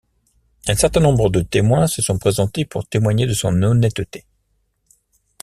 Un certain nombre de témoins se sont présentés pour témoigner de son honnêteté.